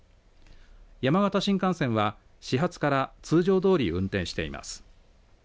山形新幹線は始発から通常どおり運転しています。